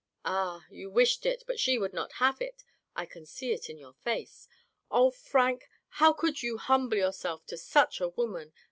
" Ah, you wished it, but she would not have it. I can see it in your face. O Frank, how could you humble yourself to such a woman